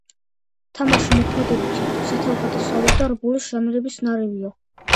თამაში მოქმედებითი, სათავგადასავლო და რბოლის ჟანრების ნარევია.